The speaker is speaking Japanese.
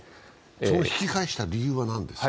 その引き返した理由は何ですか？